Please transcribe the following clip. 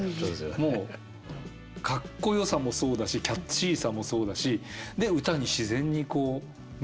もうかっこよさもそうだしキャッチーさもそうだしで歌に自然に導かれていくし。